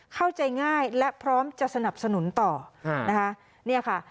เข้าใจง่ายและพร้อมจะสนับสนุนต่อนะคะเนี่ยค่ะ